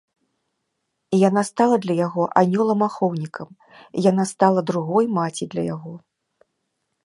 Яна стала для яго анёлам-ахоўнікам, яна стала другой маці для яго.